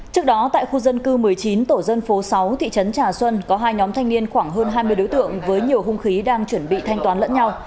trước đó tại khu dân cư một mươi chín tổ dân phố sáu thị trấn trà xuân có hai nhóm thanh niên khoảng hơn hai mươi đối tượng với nhiều hung khí đang chuẩn bị thanh toán lẫn nhau